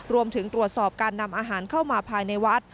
รวมถึงตรวจสอบการนำอาหารเข้ามาภายในวัด